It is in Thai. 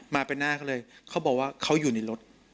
มาเป็นหน้าเขาเลยเขาบอกว่าเขาอยู่ในรถ